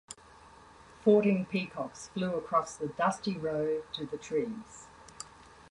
Fourteen peacocks flew across the dusty road to the threes.